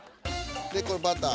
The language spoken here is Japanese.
でこれバター。